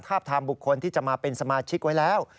ทามบุคคลที่จะมาเป็นสมาชิกไว้แล้ว